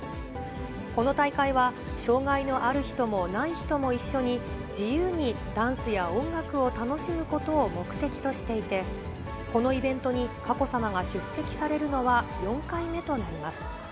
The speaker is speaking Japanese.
この大会は障がいのある人もない人も一緒に、自由にダンスや音楽を楽しむことを目的としていて、このイベントに佳子さまが出席されるのは４回目となります。